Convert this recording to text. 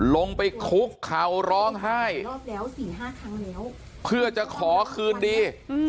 ลงไปคุกขาวร้องห้ายเพื่อจะขอคืนดี